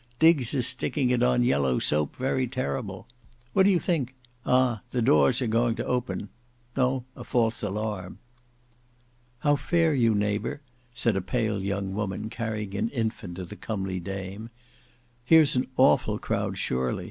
Diggs is sticking it on yellow soap very terrible. What do you think—Ah! the doors are going to open. No—a false alarm." "How fare you neighbour?" said a pale young woman carrying an infant to the comely dame. "Here's an awful crowd, surely.